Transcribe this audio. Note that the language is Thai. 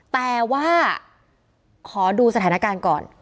แต่ว่าขอดูสถานการณ์ก่อน